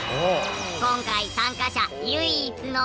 今回参加者唯一のパパ。